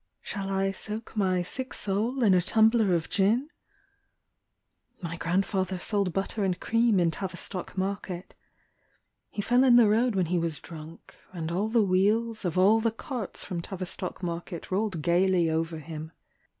Shall I soak my sick soul in a tumbler of gin ? My grandfather sold butter and cream in Tavistock market. He fell in the road when he was drunk, And all the wheels of all the carts from Tavistock market Rolled gaily over him